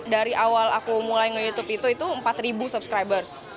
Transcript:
dari awal aku mulai nge youtube itu itu empat ribu subscribers